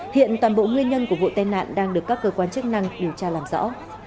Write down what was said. hiện toàn bộ nguyên nhân của vụ tai nạn đang được các cơ quan chức năng điều tra làm rõ